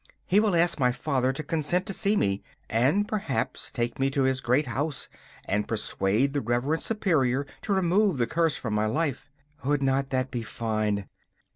'He will ask his father to consent to see me, and perhaps take me to his great house and persuade the Reverend Superior to remove the curse from my life. Would not that be fine?